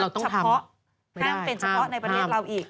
เฉพาะห้ามเป็นเฉพาะในประเทศเราอีก